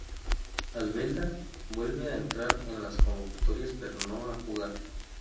Albelda vuelve a entrar en las convocatorias pero no a jugar.